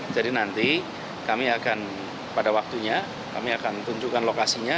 jadi nanti kami akan pada waktunya kami akan tunjukkan lokasinya